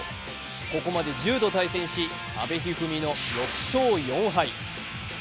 ここまで１０度対戦し、阿部一二三の６勝４敗。